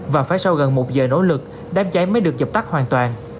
và phải sau gần một giờ nỗ lực đám cháy mới được dập tắt hoàn toàn